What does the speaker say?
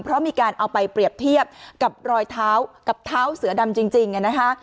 เพราะมีการเอาไปเปรียบเทียบกับรอยเท้ากับเท้าเสือดำจริงนะคะ